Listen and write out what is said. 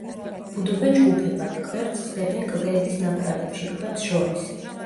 ბუდობენ ჯგუფებად, კვერცხს დებენ კლდეების ნაპრალებში, ქვებს შორის.